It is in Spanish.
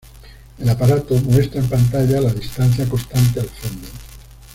El aparato muestra en pantalla la distancia constante al fondo.